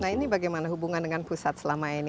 nah ini bagaimana hubungan dengan pusat selama ini